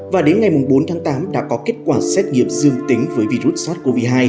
và đến ngày bốn tháng tám đã có kết quả xét nghiệm dương tính với virus sars cov hai